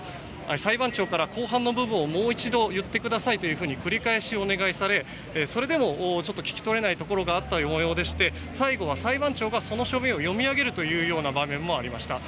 裁判長から公判の部分をもう一度言ってくださいというふうに繰り返しお願いされそれでも聞き取れないところがあった模様でして最後は裁判長がその部分を読み上げる場面もありました。